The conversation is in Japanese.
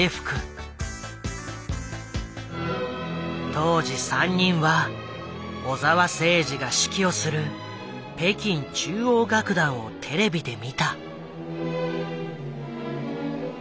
当時３人は小澤征爾が指揮をする北京中央楽団をテレビで見た。